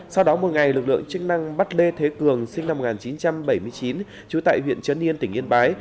sau đó một ngày lực lượng chức năng bắt lê thế cường sinh năm một nghìn chín trăm bảy mươi chín trú tại huyện trấn yên tỉnh yên bái